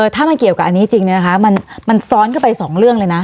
ถ้ามันเกี่ยวกับอันนี้จริงเนี่ยนะคะมันซ้อนเข้าไปสองเรื่องเลยนะ